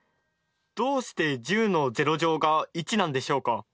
どうして１０が１なんでしょうか？